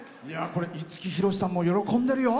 五木ひろしさんも喜んでるよ。